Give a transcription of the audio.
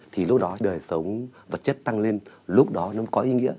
thì lúc đó đời sống vật chất tăng lên lúc đó nó có ý nghĩa